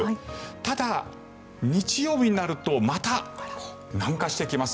ただ、日曜日になるとまた南下してきます。